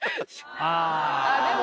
あっでも。